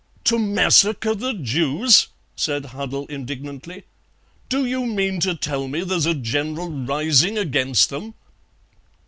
"To massacre the Jews!" said Huddle indignantly. "Do you mean to tell me there's a general rising against them?"